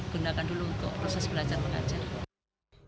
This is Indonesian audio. gunakan dulu untuk proses belajar mengajar